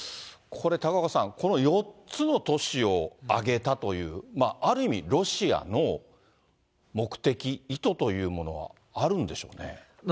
これ高岡さん、この４つの都市を挙げたという、ある意味、ロシアの目的、意図というものはあるんでしょうね？